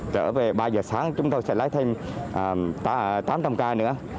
trở về ba giờ sáng chúng tôi sẽ lấy thêm tám trăm linh ca nữa